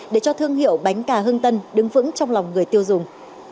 để cho thương hiệu bánh cà hưng tân đứng vững trong lòng người tiêu dùng